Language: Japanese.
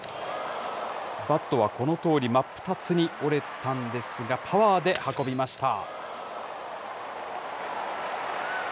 バットはこのとおり、真っ二つに折れたんですが、パワーで運びました。